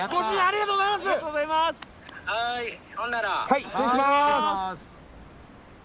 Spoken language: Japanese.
はい失礼します。